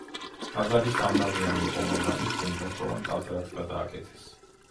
ტაძარი სამნავიანი იყო, მაგრამ ის გუმბათოვან ტაძრად გადააკეთეს.